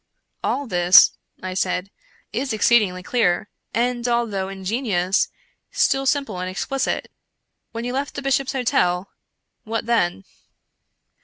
" All this," I said, " is exceedingly clear, and, although ingenious, still simple and explicit. When you left the Bishop's Hotel, what then